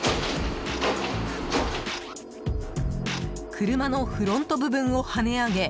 車のフロント部分を跳ね上げ